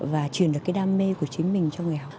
và truyền được cái đam mê của chính mình cho người học